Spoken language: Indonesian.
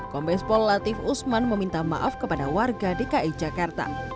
kombes pol latif usman meminta maaf kepada warga dki jakarta